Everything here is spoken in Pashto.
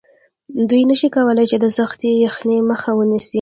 دوی نشي کولی چې د سختې یخنۍ مخه ونیسي